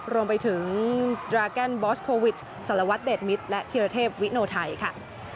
รวมไปถึงดราแกนบอสโควิดสารวัตรเดชมิตรและธิรเทพวิโนไทยค่ะ